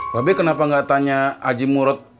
tapi kenapa nggak tanya aji murut